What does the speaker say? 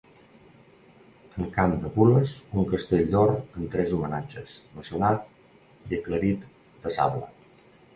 En camp de gules, un castell d'or amb tres homenatges, maçonat i aclarit de sable.